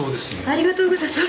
ありがとうございます。